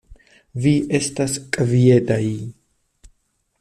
Vi estas kvietaj.